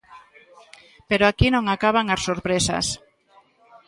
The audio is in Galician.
Pero aquí non acaban as sorpresas.